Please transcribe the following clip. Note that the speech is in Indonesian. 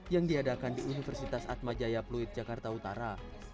yang diadakan di universitas atmajaya pluit jakarta utara